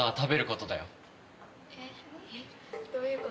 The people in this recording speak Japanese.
どういう事？